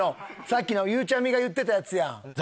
さっきのゆうちゃみが言ってたヤツや。